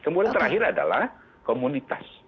kemudian terakhir adalah komunitas